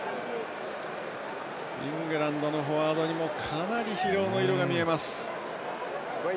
イングランドのフォワードにもかなり疲労の色が見えます。